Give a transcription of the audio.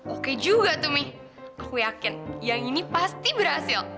oke juga tuh mih aku yakin yang ini pasti berhasil